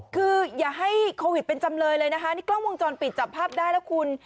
คืออย่าให้โควิดเป็นจำเลยเลยนะคะนี่กล้องวงจรปิดจับภาพได้แล้วคุณ